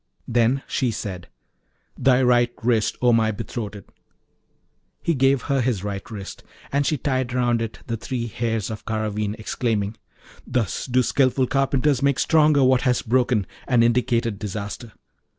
Then she said, 'Thy right wrist, O my betrothed!' He gave her his right wrist, and she tied round it the three hairs of Garraveen, exclaiming, 'Thus do skilful carpenters make stronger what has broken and indicated disaster.